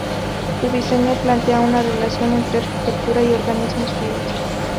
Su diseño plantea una relación entre arquitectura y organismos vivos.